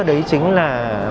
đấy chính là